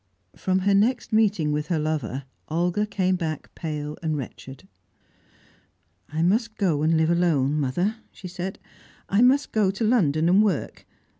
From her next meeting with her lover, Olga came back pale and wretched. "I must go and live alone, mother," she said. "I must go to London and work.